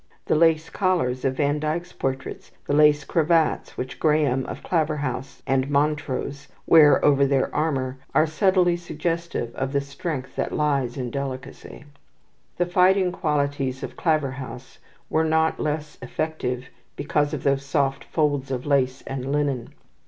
The lace collars of Van Dyck's portraits, the lace cravats which Grahame of Claverhouse and Montrose wear over their armour, are subtly suggestive of the strength that lies in delicacy. The fighting qualities of Claverhouse were not less effective because of those soft folds of lace and linen.